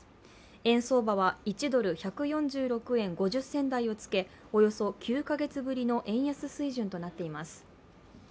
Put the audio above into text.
円相場は１ドル＝１４６円５０銭台をつけおよそ９か月ぶりの円安水準となっています。